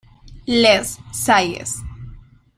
Les Salles